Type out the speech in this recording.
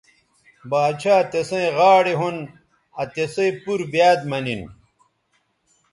باڇھا تسئیں غاڑے ھون آ تِسئ پور بیاد مہ نن